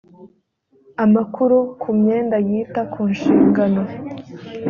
amakuru ku myenda yita ku nshingano